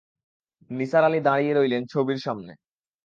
নিসার আলি দাঁড়িয়ে রইলেন ছবির সামনে।